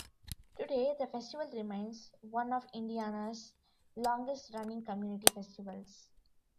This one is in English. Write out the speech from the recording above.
Today, the festival remains one of Indiana's longest-running community festivals.